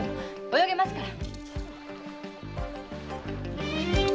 泳げますから。